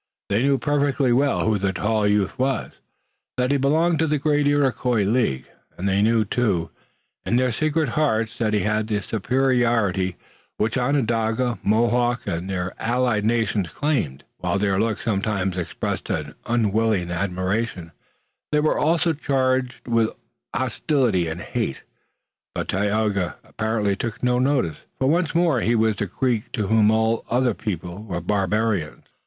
They knew perfectly well who the tall youth was, that he belonged to the great Iroquois league, and they knew, too, in their secret hearts that he had the superiority which Onondaga, Mohawk and their allied nations claimed. Hence, while their looks sometimes expressed an unwilling admiration, they were also charged always with hostility and hate. But Tayoga apparently took no notice. Once more he was the Greek to whom all outer peoples were barbarians.